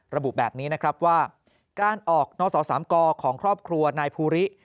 ระบุแบบนี้นะครับว่าการออกนสสามกของครอบครัวนายภูริ